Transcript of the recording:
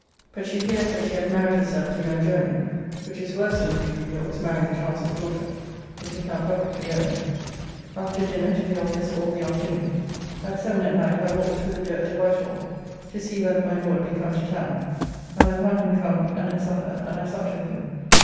But she hears that she hath married herself to young Jermyn, which is worse than the Duke of York's marrying the Chancellor's daughter, which is now publicly owned. After dinner to the office all the afternoon. At seven at night I walked through the dirt to Whitehall to see whether my Lord be come to town, and I found him come and at supper, and I supped with him.